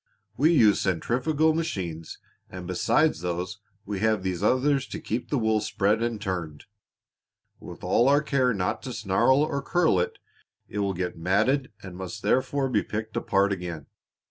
We use centrifugal machines, and beside those we have these others to keep the wool spread and turned. With all our care not to snarl or curl it, it will get matted and must therefore be picked apart again.